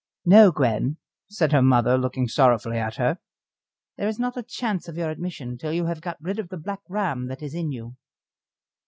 "No, Gwen," said her mother, looking sorrowfully at her, "there is not a chance of your admission till you have got rid of the Black Ram that is in you."